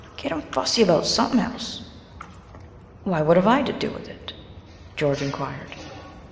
Get 'em fussy about sumpen else." "Why, what have I to do with it?" George inquired.